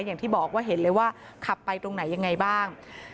อย่างที่บอกว่าเห็นเลยว่าขับไปตรงไหนยังไงบ้าง